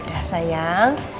ya yaudah sayang